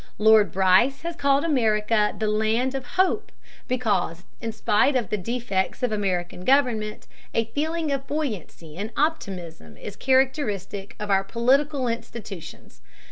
Lord Bryce has called America the land of Hope, because in spite of the defects of American government, a feeling of buoyancy and optimism is characteristic of our political institutions.